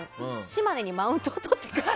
島根にマウントをとってくる。